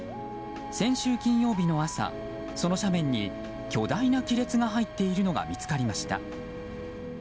先週金曜日の朝、その斜面に巨大な亀裂が入っているのが見つかりました。